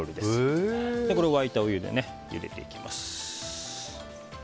これを沸いたお湯でゆでていきます。